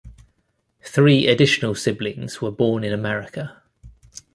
Three additional siblings were born in America.